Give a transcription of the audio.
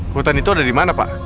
hutan itu ada di mana pak